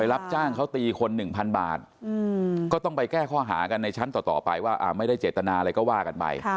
รับจ้างเขาตีคน๑๐๐บาทก็ต้องไปแก้ข้อหากันในชั้นต่อไปว่าไม่ได้เจตนาอะไรก็ว่ากันไป